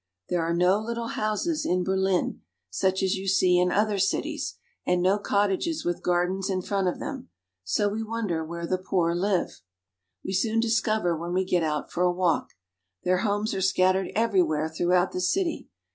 There are no little houses in Berlin, such as you see in other cities, and no cottages with gardens in front of them, so we wonder where the poor live. We soon discover when we get out for a walk. Their homes are scattered everywhere throughout the city.